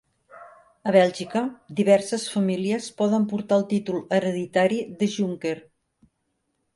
A Bèlgica, diverses famílies poden portar el títol hereditari de "Jonkheer".